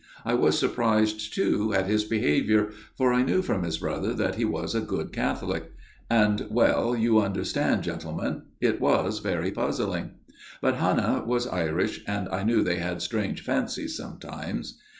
I was surprised, too, at his behaviour, for I knew from his brother that he was a good Catholic ; and well, you understand, gentle men it was very puzzling. But Hannah was Irish, and I knew they had strange fancies sometimes.